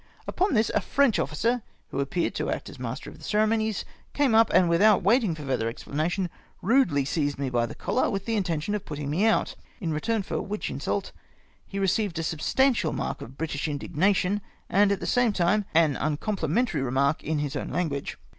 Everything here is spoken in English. Upon this a French officer, who appeared to act as master of tlie ceremonies, came up, and without wait ing for further explanation, rudely seized me by the cohar with the intention of putting me out ; in return for which insult he received a substantial mark of British indignation, and at the same time an uncom plimentary remark in his own language.